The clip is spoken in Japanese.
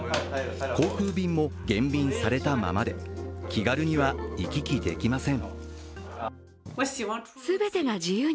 航空便も減便されたままで気軽には行き来できません。